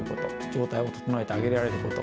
状態を整えてあげられること。